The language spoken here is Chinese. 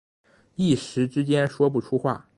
一时之间说不出话